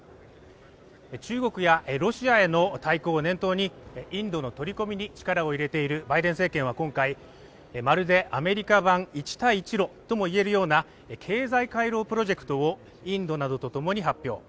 中国やロシアへの対抗を念頭にインドの取り込みに力を入れているバイデン政権は今回、まるでアメリカ版一帯一路とも言えるような経済回廊プロジェクトをインドなどとともに発表。